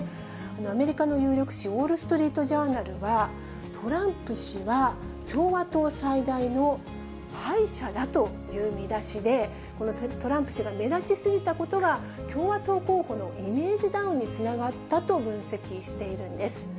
アメリカの有力紙、ウォール・ストリート・ジャーナルは、トランプ氏は共和党最大の敗者だという見出しで、このトランプ氏が目立ち過ぎたことが、共和党候補のイメージダウンにつながったと分析しているんです。